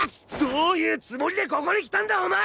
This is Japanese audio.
どういうつもりでここに来たんだお前！